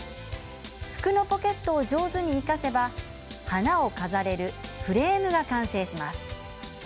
服のポケットを上手に生かせば花を飾れるフレームが完成します。